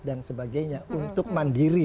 dan sebagainya untuk mandiri